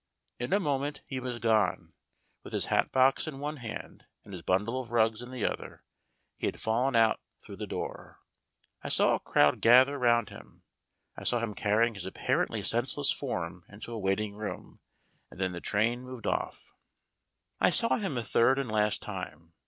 In a moment he was gone. With his hat box in one hand and his bundle of rugs in the other, he had fallen out through the door. I saw a crowd gather round him. I saw them carrying his apparently senseless form into a waiting room, and then the train moved off. THE BLANKING BUSINESS 199 I saw him a third and last time.